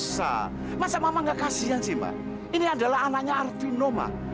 sampai jumpa di video selanjutnya